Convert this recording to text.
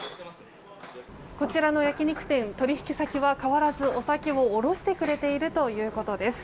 こちらの焼き肉店取引先は変わらずお酒を卸してくれているということです。